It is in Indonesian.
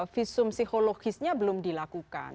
visum psikologisnya belum dilakukan